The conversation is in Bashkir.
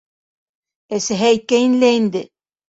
Әсәһе әйткәйне лә инде!